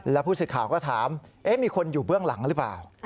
แล้วผู้สื่อข่าวก็ถามมีคนอยู่เบื้องหลังหรือเปล่า